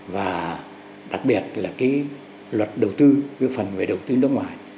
và đặc biệt là cái luật đầu tư phần về đầu tư nước ngoài